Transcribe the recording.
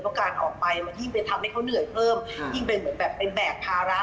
มันยิ่งไปทำให้เขาเหนื่อยเพิ่มยิ่งไปแบ่งภาระ